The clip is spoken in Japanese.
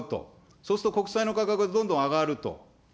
そうすると、国債の価格がどんどん上がると。